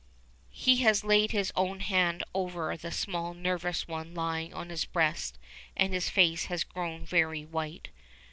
He has laid his own hand over the small nervous one lying on his breast, and his face has grown very white.